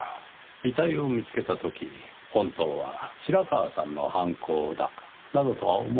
遺体を見つけた時本当は白川さんの犯行だなどとは思わなかった。